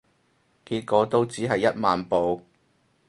結果都只係一萬步